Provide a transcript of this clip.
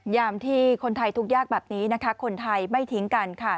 ยามที่คนไทยทุกข์ยากแบบนี้นะคะคนไทยไม่ทิ้งกันค่ะ